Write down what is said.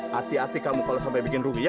hati hati kamu kalau sampai bikin rugi ya